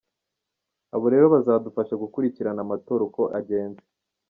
Abo rero bazadufasha gukurikirana amatora uko agenze.